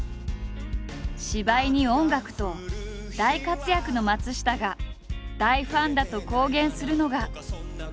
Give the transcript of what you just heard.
芝居に音楽と大活躍の松下が大ファンだと公言するのが。